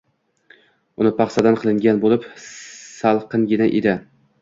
Uyi paxsadan qilingan bo‘lib, salqingina edi.